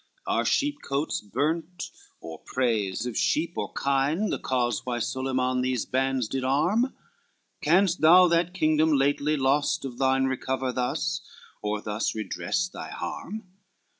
X "Are sheep cotes burnt, or preys of sheep or kine, The cause why Solyman these bands did arm? Canst thou that kingdom lately lost of thine Recover thus, or thus redress thy harm?